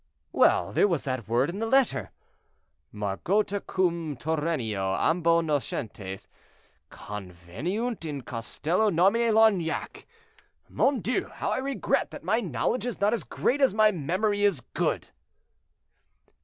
"Well, there was that word in the letter—'Margota cum Turennio, ambo nocentes, conveniunt in castello nomine Loignac.' Mon Dieu! how I regret that my knowledge is not as great as my memory is good."